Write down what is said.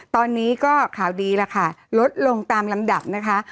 ตอนนี้ก็ข่าวดีล่ะค่ะลดลงตามลำดับนะคะ